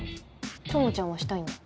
友ちゃんはしたいんだ。